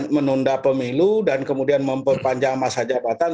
menunda pemilu dan kemudian memperpanjang masa jabatan